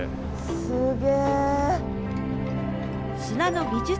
すげえ。